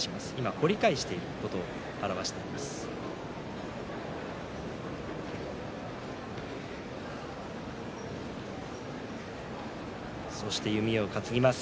掘り返していることを表している動作です。